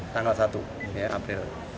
tanggal satu ya april